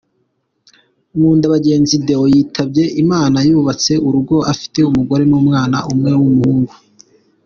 Nkundabagenzi Deo yitabye Imana yubatse urugo afite umugore n’umwana umwe w’umuhungu.